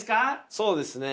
そうですね。